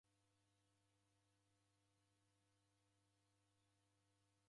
Oka na maza risew'uka naighu.